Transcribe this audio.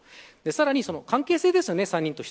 さらに関係性ですね。